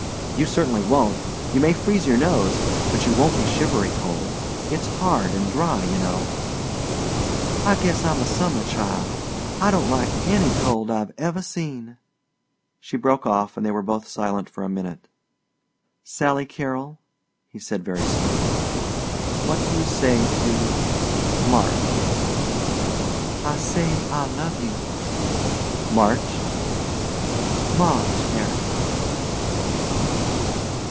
"You certainly won't. You may freeze your nose, but you won't be shivery cold. It's hard and dry, you know." "I guess I'm a summer child. I don't like any cold I've ever seen." She broke off and they were both silent for a minute. "Sally Carol," he said very slowly, "what do you say to March?" "I say I love you." "March?" "March, Harry."